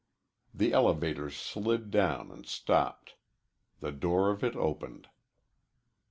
The elevator slid down and stopped. The door of it opened.